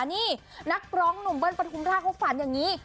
นี่นักร้องหนุ่มเบิ้ลปฐุมราชเขาฝันอย่างนี้